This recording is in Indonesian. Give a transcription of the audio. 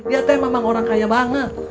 ya teh memang orang kaya banget